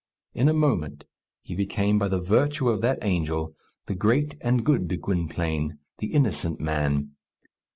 In a moment he became by the virtue of that angel, the great and good Gwynplaine, the innocent man.